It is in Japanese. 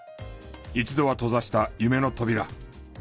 一度は閉ざした夢の扉。